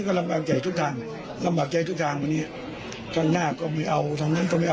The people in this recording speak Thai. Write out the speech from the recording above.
ก็ระบาดใจหาใจว่าก็จบได้